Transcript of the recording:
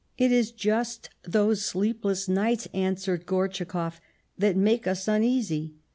"It is just those sleepless nights," answered Gortschakoff, " that make us uneasy.